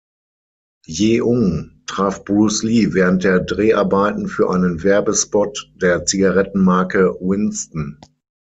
Yeung traf Bruce Lee während der Dreharbeiten für einen Werbespot der Zigarettenmarke Winston.